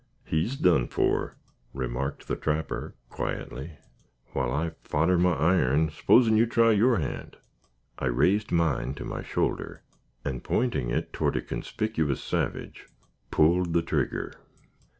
"He's done for," remarked the trapper, quietly. "While I fodder my iron, 'sposen you try your hand." I raised mine to my shoulder, and pointing it toward a conspicuous savage, pulled the trigger.